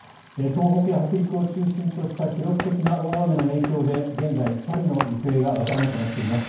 東北や北陸を中心とした記録的な大雨の影響で現在、２人の行方がわからなくなっています。